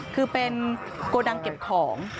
คือเป็นโกดังเก็บของ